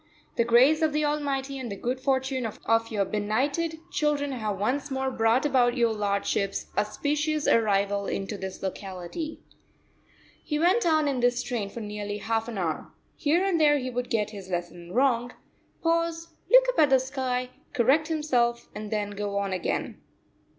the grace of the Almighty and the good fortune of your benighted children have once more brought about your lordship's auspicious arrival into this locality." He went on in this strain for nearly half an hour. Here and there he would get his lesson wrong, pause, look up at the sky, correct himself, and then go on again.